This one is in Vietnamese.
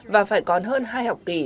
và phải còn hơn hai học kỳ